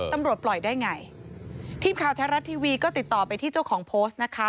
ตำรวจปล่อยได้ไงทีมข่าวแท้รัฐทีวีก็ติดต่อไปที่เจ้าของโพสต์นะคะ